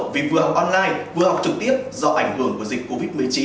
vì vừa online vừa học trực tiếp do ảnh hưởng của dịch covid một mươi chín